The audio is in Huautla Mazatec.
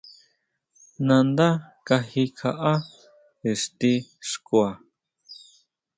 Nandá kaji kjaʼá ixti xkua.